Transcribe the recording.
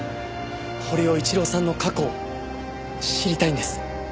堀尾一郎さんの過去を知りたいんです。